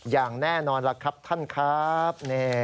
อย่างแน่นอนล่ะครับท่านครับ